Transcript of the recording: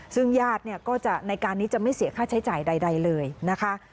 ซึ่งญาติเนี่ยก็จะในการนี้จะไม่เสียค่าใช้จ่ายใดเลยนะคะ